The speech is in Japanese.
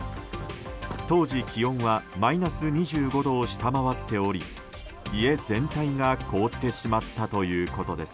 当時、気温はマイナス２５度を下回っており家全体が凍ってしまったということです。